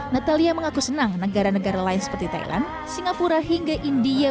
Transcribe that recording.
natalia mengaku senang negara negara lain seperti thailand singapura hingga india